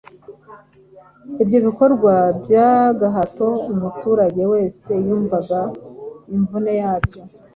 Ibyo bikorwa byagahato, umuturage wese yumvaga imvune yabyo